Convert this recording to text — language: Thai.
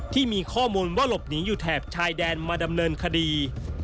ที่มีข้อมูลว่าหลบหนีอยู่แถบชายแดนมาดำเนินคดี